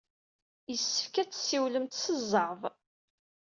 Yessefk ad tessiwlemt s zzeɛḍ.